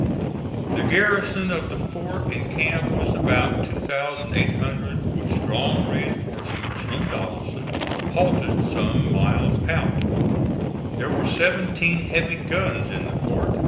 The garrison of the fort and camp was about 2,800, with strong reinforcements from Donelson halted some miles out. There were seventeen heavy guns in the fort.